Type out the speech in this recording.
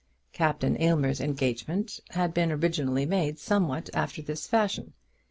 Captain Aylmer's engagement had been originally made somewhat after this fashion.